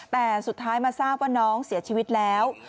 แต่สุดท้ายมาทราบว่าน้องเสียชีวิตแล้ว